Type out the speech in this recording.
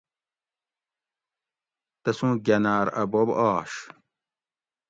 تسوں گھناۤر اۤ بوب آش